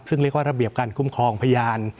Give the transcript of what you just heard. ซึ่งเรียกว่าระเบียบการคุ้มครองพยาน